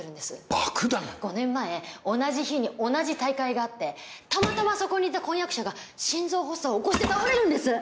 ５年前同じ日に同じ大会があってたまたまそこにいた婚約者が心臓発作を起こして倒れるんです。